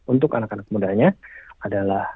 untuk anak anak mudanya adalah